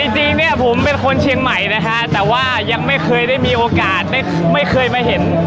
จริงเนี่ยผมเป็นคนเชียงใหม่นะฮะแต่ว่ายังไม่เคยได้มีโอกาสได้ไม่เคยมาเห็น